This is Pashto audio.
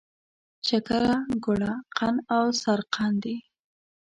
شکره، ګوړه، قند او سرقند دي.